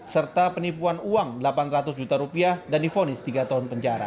serta penipuan uang delapan ratus juta rupiah dan difonis tiga tahun penjara